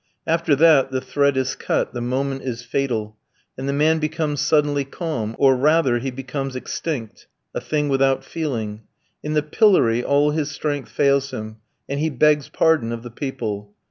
After that the thread is cut, the moment is fatal, and the man becomes suddenly calm, or, rather, he becomes extinct, a thing without feeling. In the pillory all his strength fails him, and he begs pardon of the people.